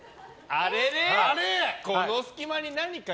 あれれ？